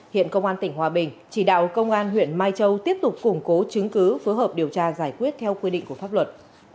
hiện công an tỉnh hòa bình chỉ đạo công an huyện mai châu tiếp tục củng cố chứng cứ phối hợp điều tra giải quyết theo quy định của pháp luật